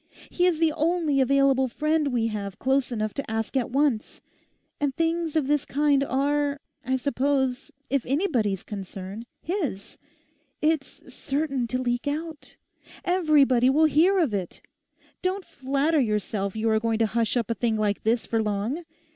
He is the only available friend we have close enough to ask at once. And things of this kind are, I suppose, if anybody's concern, his. It's certain to leak out. Everybody will hear of it. Don't flatter yourself you are going to hush up a thing like this for long.